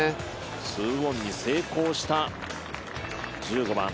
２オンに成功した１５番。